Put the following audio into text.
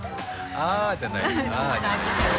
「ああ」じゃないです